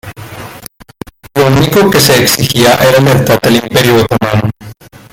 Lo único que se exigía era lealtad al Imperio otomano.